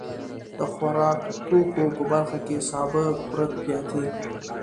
د خوراکتوکو په برخه کې سابه، کورت، پياټي.